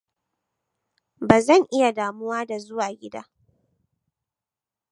Ba zan iya damuwa da zuwa gida!